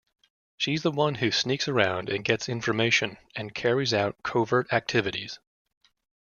She's the one who sneaks around and gets information, and carries out covert activities.